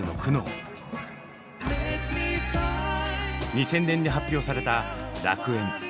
２０００年に発表された「楽園」。